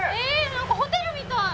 なんかホテルみたい！